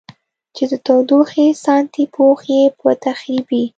چې د تودوخې ساتنې پوښ یې په تخریبي